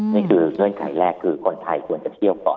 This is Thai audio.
เงื่อนไขแรกคือคนไทยควรจะเที่ยวก่อน